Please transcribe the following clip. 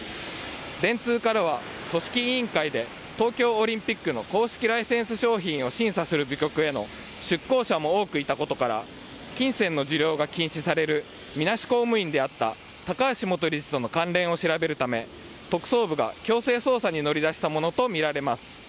電通からは組織委員会で、東京オリンピックの公式ライセンス商品を審査する部局への出向者も多くいたことから、金銭の受領が禁止されるみなし公務員であった高橋元理事との関連を調べるため、特捜部が強制捜査に乗り出したものと見られます。